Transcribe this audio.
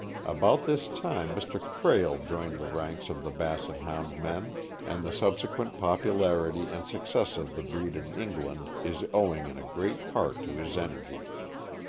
About this time Mr. ;, Krehl joined the ranks of the Basset Hound men, and the subsequent popularity and success of the breed in England is owing in a great part to his energy.